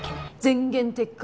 前言撤回。